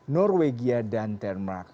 norwegia dan denmark